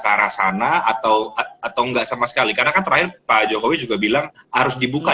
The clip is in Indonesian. ke arah sana atau atau enggak sama sekali karena kan terakhir pak jokowi juga bilang harus dibuka